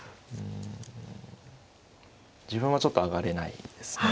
自分はちょっと上がれないですね。